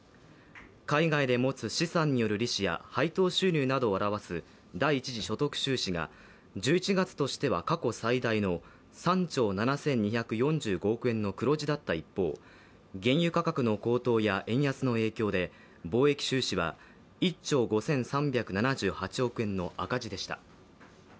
海外で持つ資産による利子や配当収入などを表す第一次所得収支が１１月としては過去最大の３兆７２４５億円の黒字だった一方、原油価格の高騰や円安の影響で貿易収支は１兆５３７８億円の赤字でした。